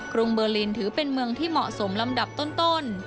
รุงเบอร์ลินถือเป็นเมืองที่เหมาะสมลำดับต้น